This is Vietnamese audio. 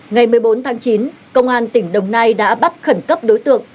ngày một mươi bốn tháng chín công an tỉnh đồng nai đã bắt khẩn cấp đối tượng